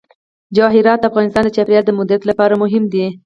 جواهرات د افغانستان د چاپیریال د مدیریت لپاره مهم دي.